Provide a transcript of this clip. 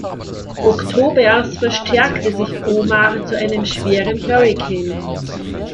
Oktobers verstärkte sich Omar zu einem schweren Hurrikan.